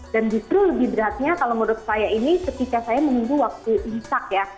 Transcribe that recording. dan di sini lebih beratnya kalau menurut saya ini ketika saya menunggu waktu isak ya